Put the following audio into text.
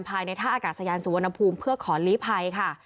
ภายในท่าอากาศยานสุวรรณภูมิเพื่อขอลีภัยค่ะ